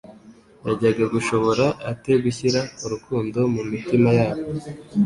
Yajyaga gushobora ate gushyira urukundo mu mitima yabo